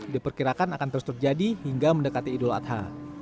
diperkirakan akan terus terjadi hingga mendekati idul adha